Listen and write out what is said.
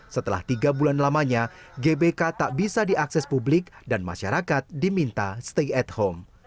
setelah tiga bulan lamanya gbk tak bisa diakses publik dan masyarakat diminta stay at home